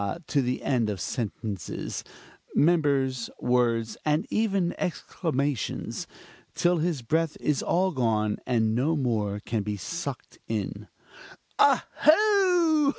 to the end of sentences, members, words, and even exclamations, till his breath is all gone, and no more can be sucked in) "Oho!